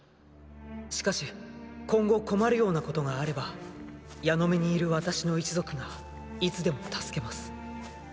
しかし今後困るようなことがあればヤノメにいる私の一族がいつでも助けます。